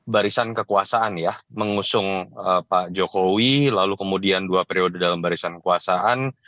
barisan kekuasaan ya mengusung pak jokowi lalu kemudian dua periode dalam barisan kekuasaan